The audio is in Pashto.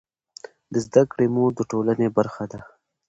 د زده کړې مور د ټولنې برخه ده.